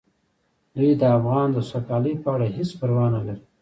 دوی د افغان د سوکالۍ په اړه هیڅ پروا نه لري.